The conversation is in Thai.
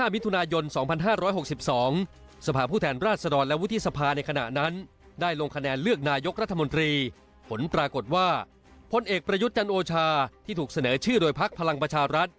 พลังประชาชนมนตรีผลปรากฏว่าพลเอกประยุทธ์จันโอชาที่ถูกเสนอชื่อโดยพักพลังประชารัฐ